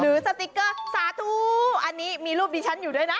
สติ๊กเกอร์สาธุอันนี้มีรูปดิฉันอยู่ด้วยนะ